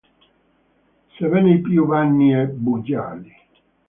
Sebbene i più vani e bugiardi.